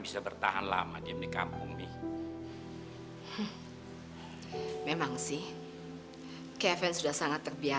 sampai jumpa di video selanjutnya